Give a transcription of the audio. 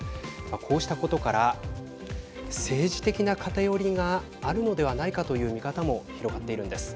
こうしたことから政治的な偏りがあるのではないかという見方も広がっているんです。